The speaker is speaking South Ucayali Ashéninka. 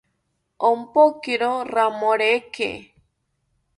Ompokiro ramoreke